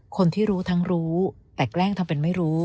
คนที่รู้ทั้งรู้แต่แกล้งทำเป็นไม่รู้